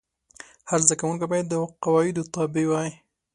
هر زده کوونکی باید د قواعدو تابع وای.